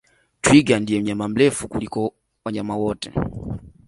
Twiga ndiye mnyama mrefu kuliko wanyama wote